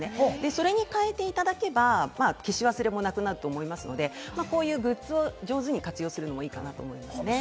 それにかえていただければ消し忘れもなくなると思いますので、こういうグッズを上手に活用するのもいいかなと思います。